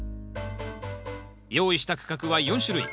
用意した区画は４種類。